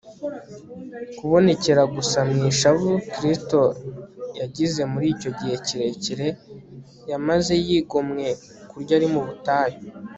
kubonekera gusa mu ishavu kristo yagize muri icyo gihe kirekire yamaze yigomwe kurya ari mu butayu